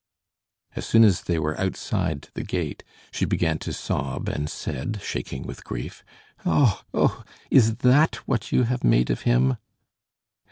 As soon as they were outside the gate, she began to sob and said, shaking with grief: "Oh! oh! is that what you have made of him?"